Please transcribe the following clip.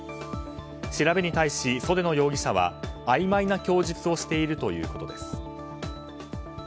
調べに対し袖野容疑者は、あいまいな供述をしているということです。